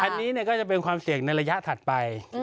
อันนี้ก็จะเป็นความเสี่ยงในระยะถัดไป